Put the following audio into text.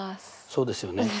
そうですよね。